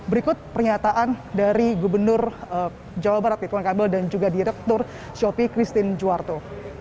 ini adalah pernyataan dari gubernur jawa barat fitwan kabel dan juga direktur sopi christine juwarto